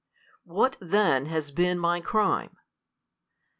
What then has been my crime